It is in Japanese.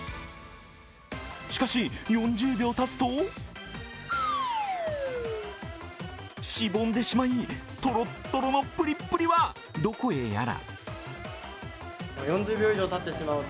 しかし、４０秒たつとしぼんでしまい、とろっとろのプリップリはどこへやら。